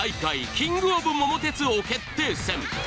キングオブ桃鉄王決定戦。